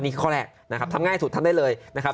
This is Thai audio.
ข้อแรกนะครับทำง่ายสุดทำได้เลยนะครับ